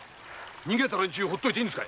逃げた連中ほっといていいんですか？